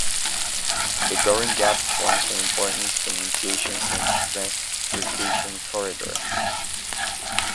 The Goring Gap forms an important communications and transportation corridor.